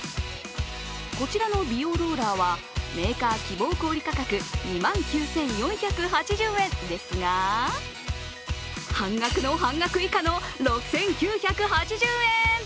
こちらの美容ローラーはメーカー希望小売価格２万９４８０円ですが、半額の半額以下の６９８０円。